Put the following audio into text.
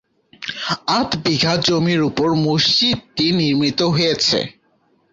আধ বিঘা জমির উপর মসজিদটি নির্মিত হয়েছে।